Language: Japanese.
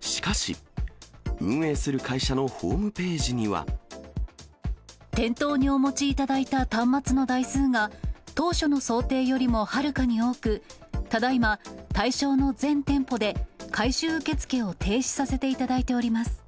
しかし、運営する会社のホームペ店頭にお持ちいただいた端末の台数が、当初の想定よりもはるかに多く、ただいま対象の全店舗で、回収受け付けを停止させていただいております。